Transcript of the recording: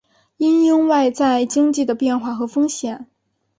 因应外在经济的变化和风险